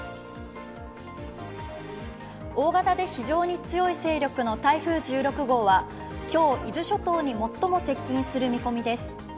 大型で非常に強い勢力の台風１６号は今日伊豆諸島に最も接近する見込みです。